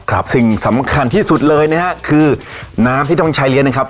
สิ่งสำคัญที่สุดเลยนะฮะคือน้ำที่ต้องใช้เลี้ยงนะครับ